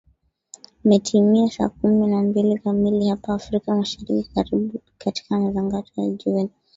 metimia saa kumi na mbili kamili hapa afrika mashariki karibu katika matangazo ya jioni